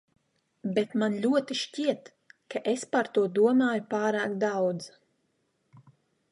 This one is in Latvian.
Bet man ļoti šķiet, ka es par to domāju pārāk daudz.